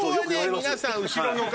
皆さん後ろの方たち